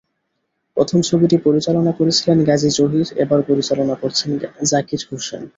প্রথম ছবিটি পরিচালনা করেছিলেন কাজী জহির, এবার পরিচালনা করছেন জাকির হোসেন।